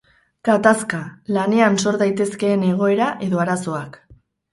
Gatazka: lanean sor daitezkeen egoera edo arazoak